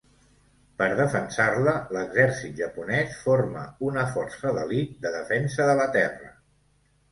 Per defensar-la, l'exèrcit japonès forma una força d'elit de defensa de la Terra.